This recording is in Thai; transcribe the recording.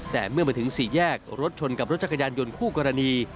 แต่เมื่อมาถึงสี่แยกรถชนกับรถจักรยานยนต์คู่กรณี